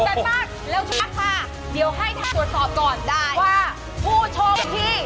กลับมาเลยค่ะใครกันจะเป็นผู้โชคดี